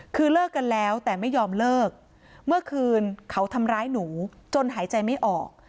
คือเลิกกันแล้วแต่ไม่ยอมเลิกเมื่อคืนเขาทำร้ายหนูจนหายใจไม่ออก